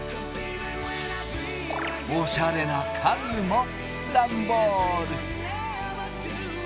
おしゃれな家具もダンボール。